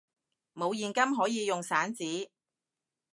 冇現金可以用散紙！